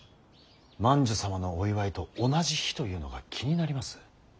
万寿様のお祝いと同じ日というのが気になります。